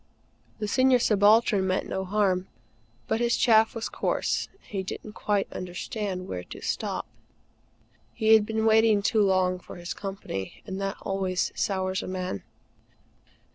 The Senior Subaltern meant no harm; but his chaff was coarse, and he didn't quite understand where to stop. He had been waiting too long for his company; and that always sours a man.